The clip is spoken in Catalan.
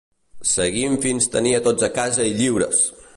Seguim fins tenir a tots a casa i lliures!